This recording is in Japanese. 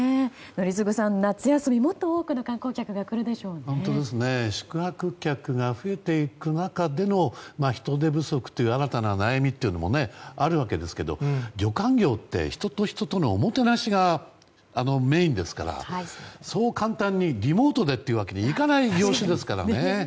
宜嗣さん、夏休みもっと多くの観光客が宿泊客が増えていく中での人手不足という新たな悩みもあるわけですが旅館業って人と人とのおもてなしがメインですからそう簡単にリモートでというわけにはいかない業種ですからね。